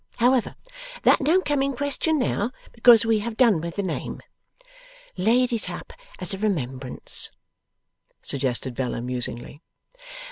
However, that don't come in question now, because we have done with the name.' 'Laid it up as a remembrance,' suggested Bella, musingly.